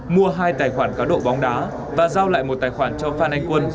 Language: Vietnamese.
mua hai tài khoản cá độ bóng đá và giao lại một tài khoản cho phan anh quân